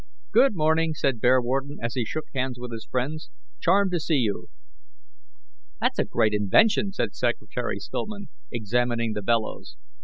"Good morning," said Bearwarden, as he shook hands with his visitors. "Charmed to see you." "That's a great invention," said Secretary Stillman, examining the bellows.